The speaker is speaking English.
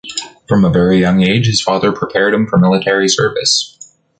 From a very young age, his father prepared him for military service.